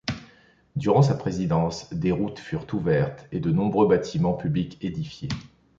Durant sa présidence, des routes furent ouvertes et de très nombreux bâtiments publics édifiés.